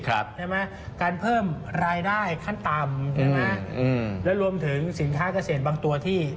ได้ไหมการเพิ่มรายได้ขั้นต่ำและรวมถึงสินค้ากระเศษบางตัวที่